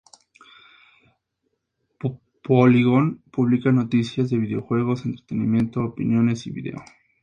Polygon publica noticias de videojuegos, entretenimiento, opiniones y vídeo.